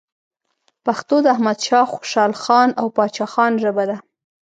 پښتو د احمد شاه خوشحالخان او پاچا خان ژبه ده.